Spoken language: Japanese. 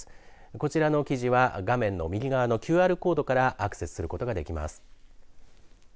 こちらの記事は画面の右側のＱＲコードからアクセスすることができます。